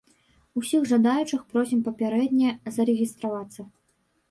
Усіх жадаючых просім папярэдне зарэгістравацца.